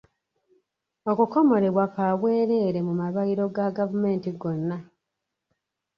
Okukomolebwa kwa bwerere mu malwaliro ga gavumenti gonna.